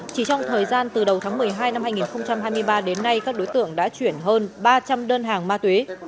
chỉ trong thời gian từ đầu tháng một mươi hai năm hai nghìn hai mươi ba đến nay các đối tượng đã chuyển hơn ba trăm linh đơn hàng ma túy